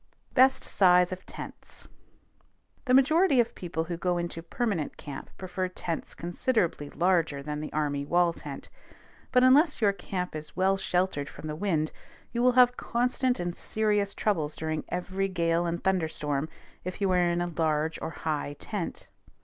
BEST SIZE OF TENTS. The majority of people who go into permanent camp prefer tents considerably larger than the army wall tent; but, unless your camp is well sheltered from the wind, you will have constant and serious troubles during every gale and thunder storm, if you are in a large or high tent.